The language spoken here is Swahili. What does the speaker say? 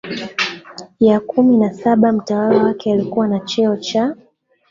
Ya kumi na Saba Mtawala wake alikuwa na cheo cha